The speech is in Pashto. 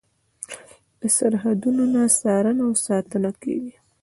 له سرحدونو نه څارنه او ساتنه کیږي.